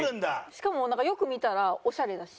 しかもなんかよく見たらオシャレだし。